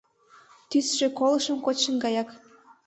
Тӱсшӧ колышым кочшын гаяк.